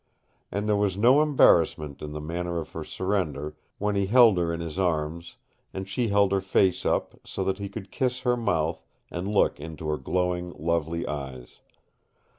And there was no embarrassment in the manner of her surrender when he held her in his arms, and she held her face up, so that he could kiss her mouth and look into her glowing, lovely eyes.